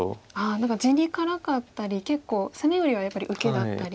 何か地に辛かったり結構攻めよりはやっぱり受けだったり。